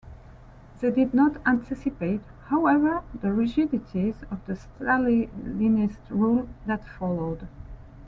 They did not anticipate, however, the rigidities of the Stalinist rule that followed.